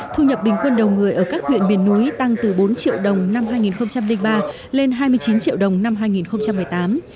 thu nhập bình quân đầu người ở các huyện miền núi tăng từ bốn triệu đồng năm hai nghìn ba lên hai mươi chín triệu đồng năm hai nghìn một mươi tám